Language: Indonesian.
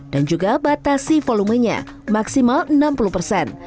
dan juga batasi volumenya maksimal enam puluh persen